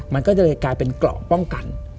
มันก็เลยกลายเป็นเกราะป้องกัน